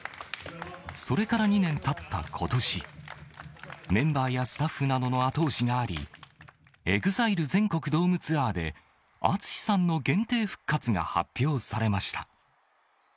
それから２年たったことし、メンバーやスタッフなどの後押しがあり、ＥＸＩＬＥ全国ドームツアーで、ＡＴＳＵＳＨＩさんの限定復活が発表されました。